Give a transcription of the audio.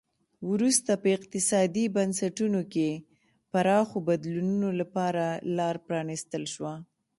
وروسته په اقتصادي بنسټونو کې پراخو بدلونونو لپاره لار پرانیستل شوه.